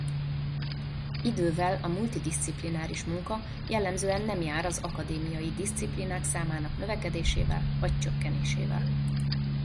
Idővel a multidiszciplináris munka jellemzően nem jár az akadémiai diszciplínák számának növekedésével vagy csökkenésével.